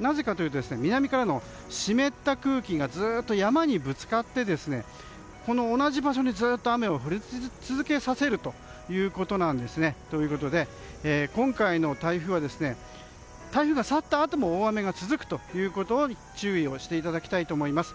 なぜかというと南からの湿った空気がずっと山にぶつかって同じ場所にずっと雨を降り続けさせるということなんですね。ということで、今回の台風は台風が去ったあとも大雨が続くということを注意をしていただきたいと思います。